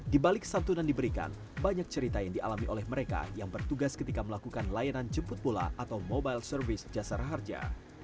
di balik santunan diberikan banyak cerita yang dialami oleh mereka yang bertugas ketika melakukan layanan jemput bola atau mobile service jasara harja